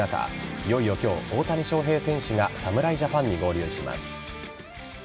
いよいよ今日、大谷翔平選手が侍ジャパンに合流します。